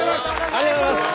ありがとうございます！